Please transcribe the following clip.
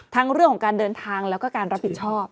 เรื่องของการเดินทางแล้วก็การรับผิดชอบ